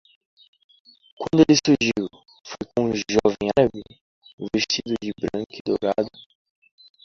Quando ele surgiu? foi com um jovem árabe? vestido de branco e dourado.